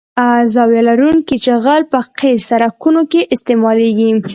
زاویه لرونکی جغل په قیر سرکونو کې استعمالیږي